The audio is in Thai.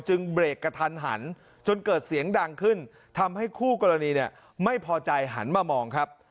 เบรกกระทันหันจนเกิดเสียงดังขึ้นทำให้คู่กรณีเนี่ยไม่พอใจหันมามองครับ